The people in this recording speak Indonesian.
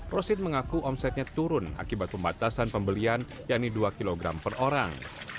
roshid mengaku omsetnya turun akibat pembatasan pembelian yang di dua kg per orang